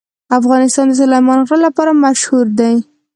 افغانستان د سلیمان غر لپاره مشهور دی.